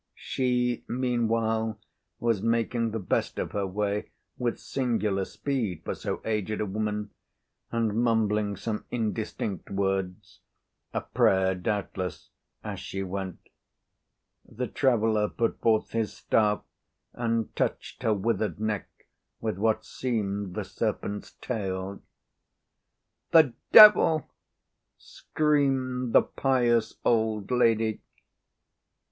She, meanwhile, was making the best of her way, with singular speed for so aged a woman, and mumbling some indistinct words—a prayer, doubtless—as she went. The traveller put forth his staff and touched her withered neck with what seemed the serpent's tail. "The devil!" screamed the pious old lady.